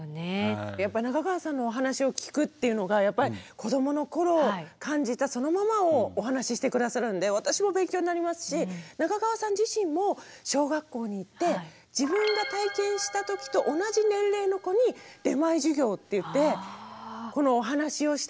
中川さんのお話を聞くっていうのが子どもの頃感じたそのままをお話しして下さるんで私も勉強になりますし中川さん自身も小学校に行って自分が体験した時と同じ年齢の子に出前授業っていってこのお話をして下さって。